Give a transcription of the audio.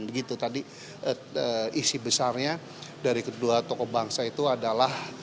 begitu tadi isi besarnya dari kedua tokoh bangsa itu adalah